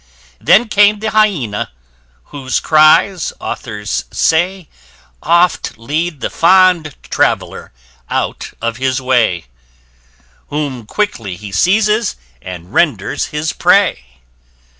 Then came the Hyena, whose cries authors say, } Oft lead the fond traveller out of his way, } Whom quickly he seizes and renders his prey.